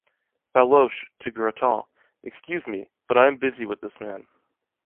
Baloche, to Gratin. — Excuse, me: but I am busy with this man.